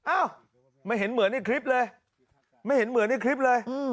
อ้าวไม่เห็นเหมือนในคลิปเลย